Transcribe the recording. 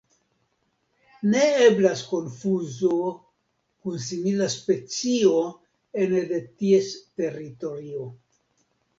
Ne eblas konfuzo kun simila specio ene de ties teritorio.